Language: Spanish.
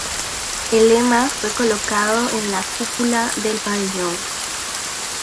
El lema fue colocado en la cúpula del pabellón.